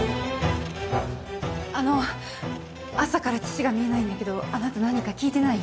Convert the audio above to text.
あの朝から父が見えないんだけどあなた何か聞いてない？